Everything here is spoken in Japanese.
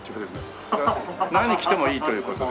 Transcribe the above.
何着てもいいという事で。